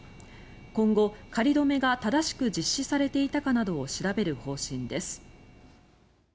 今後、仮止めが正しく実施されていたかなどを調べる方針です。